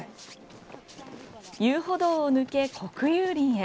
遊歩道を抜け、国有林へ。